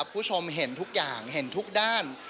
คุณผู้ชมเห็นทุกอย่างเห็นทุกด้าน